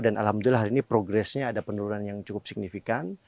dan alhamdulillah ini progressnya ada penurunan yang cukup signifikan